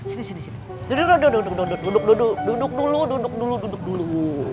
sini sini sini duduk dulu